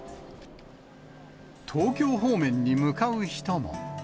東京方面に向かう人も。